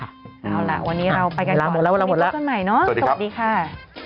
เอาล่ะวันนี้เราไปกันก่อนวันนี้ก็กันใหม่เนอะสวัสดีครับ